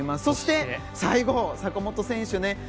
そして、最後、坂本選手ね。